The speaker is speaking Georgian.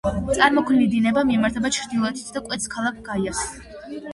წარმოქმნილი დინება მიემართება ჩრდილოეთით და კვეთს ქალაქ გაიას.